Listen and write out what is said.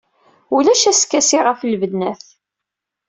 Ulac askasi ɣef lbennat.